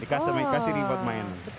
dikasih reward mainan